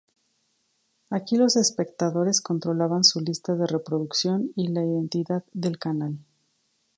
Aquí los espectadores controlaban su lista de reproducción y la identidad del canal.